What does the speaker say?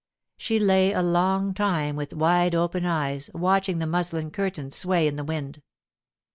She lay a long time with wide open eyes watching the muslin curtains sway in the wind.